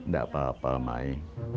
gak apa apa mai